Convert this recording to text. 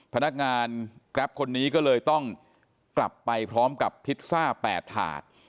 พนักงานแกรปคนนี้ก็เลยต้องกลับไปพร้อมกับพิซซ่า๘ถาด